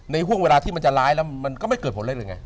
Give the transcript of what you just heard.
ห่วงเวลาที่มันจะร้ายแล้วมันก็ไม่เกิดผลอะไรเลยไง